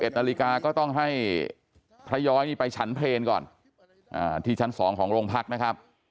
๑นาฬิกาก็ต้องให้พระย้อยนี่ไปฉันเพลงก่อนที่ชั้น๒ของโรงพักนะครับ